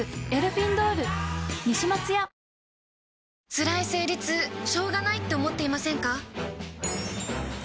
つらい生理痛しょうがないって思っていませんか？